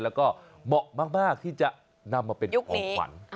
แล้วก็เหมาะมากที่จะนำมาเป็นของขวัญ